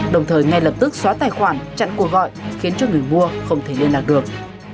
đồng thời ngay lập tức xóa tài khoản chặn cuộc gọi khiến cho người mua không thể liên lạc được